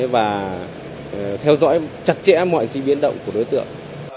và theo dõi chặt chẽ mọi di biến động của đối tượng